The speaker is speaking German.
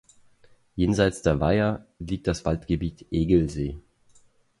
Jenseits der Weiher liegt das Waldgebiet Egelsee.